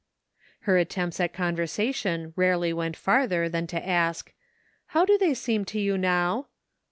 Her attempts at conversation rarely weot farther than to ask, "How do they seem to you now?"